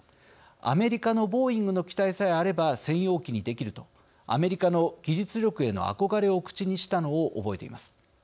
アメリカのボーイングの機体さえあれば専用機にできるとアメリカの技術力への憧れを口にしたのを覚えています。